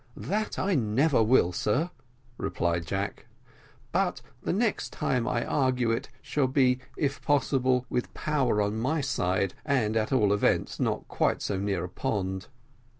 "That I never will, sir," replied Jack; "but the next time I argue it shall be, if possible, with power on my side, and, at all events, not quite so near a pond."